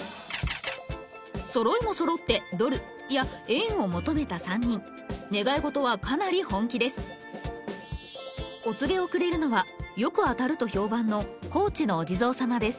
そろいもそろって「ドル」いや「縁」を求めた３人願い事はかなり本気ですお告げをくれるのはよく当たると評判の高知のお地蔵様です